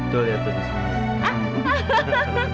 tuh lihat tuh